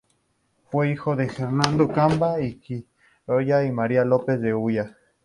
Fue hijo de Hernando Camba de Quiroga y de María López de Ulloa.